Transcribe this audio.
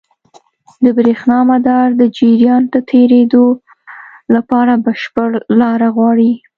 د برېښنا مدار د جریان د تېرېدو لپاره بشپړ لاره غواړي.